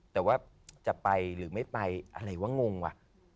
แต่ว่าจะไปหรือไม่ไปอะไรวะงงว่ะ